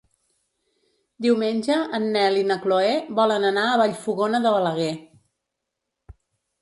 Diumenge en Nel i na Chloé volen anar a Vallfogona de Balaguer.